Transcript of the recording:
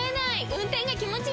運転が気持ちいい！